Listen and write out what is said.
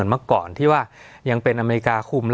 สวัสดีครับทุกผู้ชม